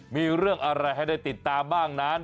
มีเรื่องอะไรให้ได้ติดตามบ้างนั้น